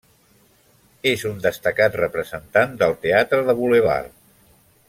És un destacat representant del teatre de bulevard.